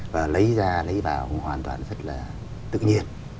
và lấy ra lấy vào hoàn toàn rất là tự nhiên